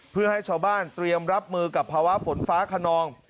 เพื่อให้ชาวบ้านเตรียมรับมือกับภาวะฝนฟ้าขนอง